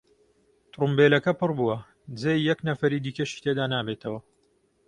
تڕومبێلەکە پڕ بووە، جێی یەک نەفەری دیکەشی تێدا نابێتەوە.